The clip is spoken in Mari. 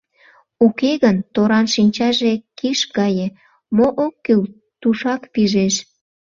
Уке гын торан шинчаже киш гае, мо ок кӱл, тушак пижеш..